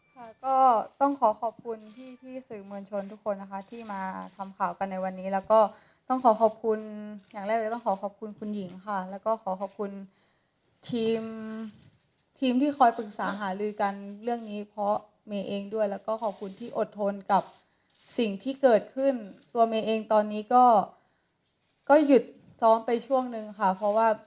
ค่ะก็ต้องขอขอบคุณพี่สื่อมวลชนทุกคนนะคะที่มาทำข่าวกันในวันนี้แล้วก็ต้องขอขอบคุณอย่างแรกเลยต้องขอขอบคุณคุณหญิงค่ะแล้วก็ขอขอบคุณทีมที่คอยปรึกษาหาลือกันเรื่องนี้เพราะเมย์เองด้วยแล้วก็ขอบคุณที่อดทนกับสิ่งที่เกิดขึ้นตัวเมย์เองตอนนี้ก็หยุดซ้อมไปช่วงนึงค่ะเพราะว่า